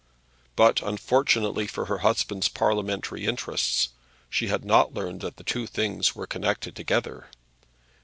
But, unfortunately for her husband's parliamentary interests, she had not learned that the two things were connected together.